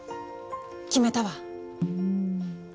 決めたわ！